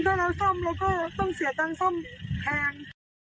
ถ้าเราซ่อมเราก็ต้องเสียตังค์ซ่อมแพง